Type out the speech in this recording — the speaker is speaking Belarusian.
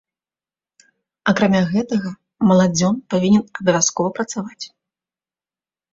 Акрамя гэтага, маладзён павінен абавязкова працаваць.